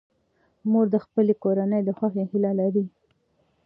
مور د خپلې کورنۍ د خوښۍ هیله لري.